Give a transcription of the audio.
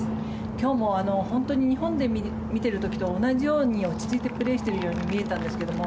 今日も本当に日本で見てる時と同じように落ち着いてプレーしているように見えたんですけども